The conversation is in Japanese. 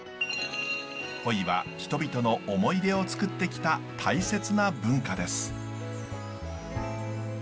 ポイは人々の思い出をつくってきた大切な文化です。